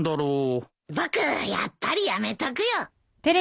僕やっぱりやめとくよ。